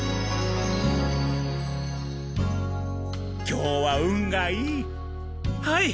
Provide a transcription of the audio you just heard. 今日は運がいい。